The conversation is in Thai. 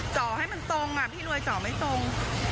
เจาะให้มันตรงอ่ะพี่รวยจ่อไม่ตรง